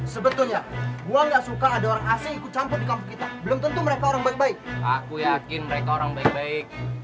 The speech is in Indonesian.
sebetulnya gua nggak suka ada orang asli ikut campur kamu kita belum tentu mereka orang baik baik aku yakin mereka orang baik baik